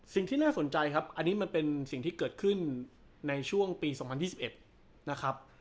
สิ่งที่น่าสนใจครับอันนี้มันเป็นสิ่งที่เกิดขึ้นในช่วงปี๒๐๒๑นะครับ